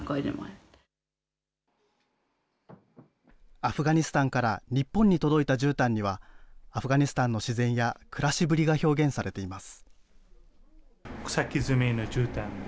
アフガニスタンから日本に届いたじゅうたんには、アフガニスタンの自然や暮らしぶりが表現されています。